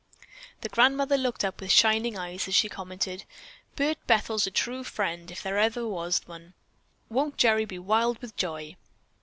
'" The grandmother looked up with shining eyes as she commented: "Bert Bethel's a true friend, if there ever was one. Won't Gerry be wild with joy?